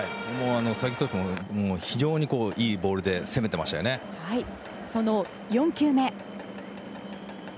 才木投手も非常にいいボールでその４球目。